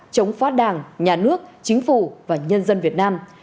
chống phá đảng nhà nước chính phủ và nhân dân việt nam